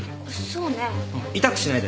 そうね。